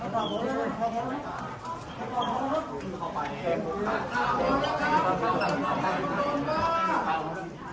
ตัวนั้นนะท่านจัดการอย่างเดียว